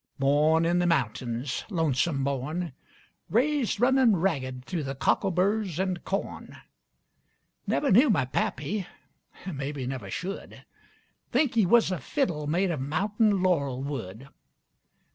Born in the mountains, lonesome born, Raised runnin' ragged thu' the cockleburrs and corn. Never knew my pappy, mebbe never should. Think he was a fiddle made of mountain laurel wood.